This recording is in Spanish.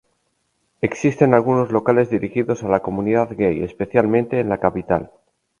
Existen algunos locales dirigidos a la comunidad gay, especialmente en la capital.